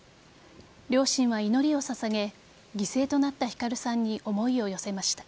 両親は祈りを捧げ犠牲となった晃さんに思いを寄せました。